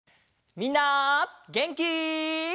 みんなげんき？